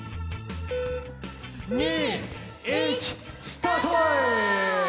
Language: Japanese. ２、１、スタート！